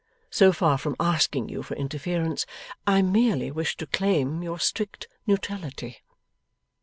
So far from asking you for interference, I merely wish to claim your strict neutrality.